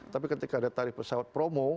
tapi ketika ada tarif pesawat promo